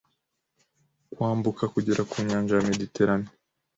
Kwambuka kugera ku nyanja ya Mediterane